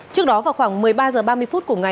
trước đó vào khoảng một mươi ba h ba mươi phút